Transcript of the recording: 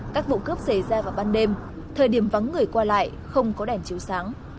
các vụ cướp xảy ra vào ban đêm thời điểm vắng người qua lại không có đèn chiếu sáng